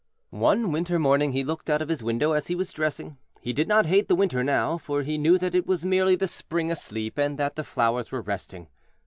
One winter morning he looked out of his window as he was dressing. He did not hate the Winter now, for he knew that it was merely the Spring asleep, and that the flowers were resting.